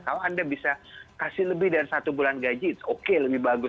kalau anda bisa kasih lebih dari satu bulan gaji ⁇ s oke lebih bagus